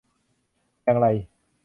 อย่างไร ?